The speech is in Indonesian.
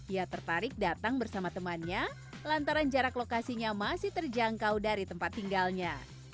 ia tertarik datang bersama temannya lantaran jarak lokasinya masih terjangkau dari tempat tinggalnya